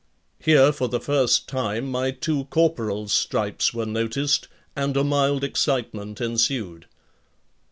Here for the first time my two corporal's stripes were noticed and a mild excitement ensued.